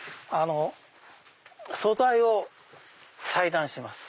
素材を裁断します。